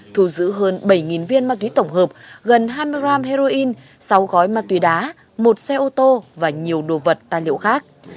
thu giữ hơn bảy viên ma túy tổng hợp gần hai mươi g heroin sáu gói ma túy đá một xe ô tô và nhiều đồ vật tài liệu khác